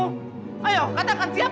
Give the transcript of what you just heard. siapa yang sudah menghasut kamu